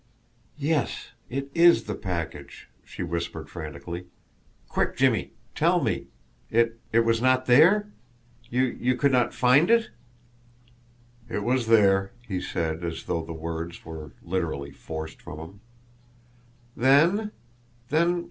"Yes it IS the package!" she whispered frantically. "Quick, Jimmie! Tell me! It it was not there? You you could not find it?" "It was there," he said, as though the words were literally forced from him. "Then?